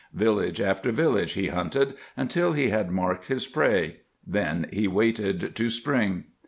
Village after village he hunted until he had marked his prey. Then he waited to spring.